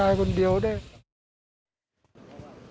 ก็แสดงความเสียใจด้วยจริงกับครอบครัวนะคะ